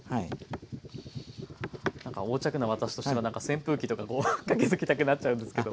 なんか横着な私としてはなんか扇風機とかこうかけときたくなっちゃうんですけど。